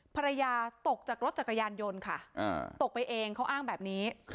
ภรรยาตกจากรถจักรยานยนต์ค่ะตกไปเองเขาอ้างแบบนี้